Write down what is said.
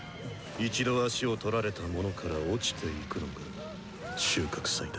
一度足をとられた者から落ちていくのが収穫祭だ。